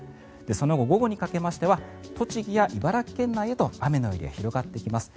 その後、午後にかけましては栃木や茨城県内へと雨のエリア、広がってきます。